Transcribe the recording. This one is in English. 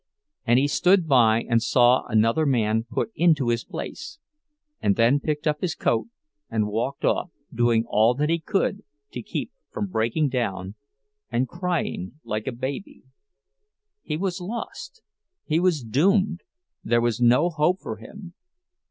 And he stood by and saw another man put into his place, and then picked up his coat, and walked off, doing all that he could to keep from breaking down and crying like a baby. He was lost! He was doomed! There was no hope for him!